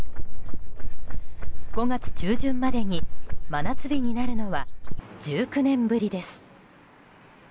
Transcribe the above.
５月中旬までに真夏日になるのは１９年ぶりです。